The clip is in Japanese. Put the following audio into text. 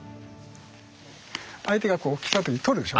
相手がこう来た時取るでしょ？